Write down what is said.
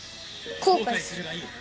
後悔するがいい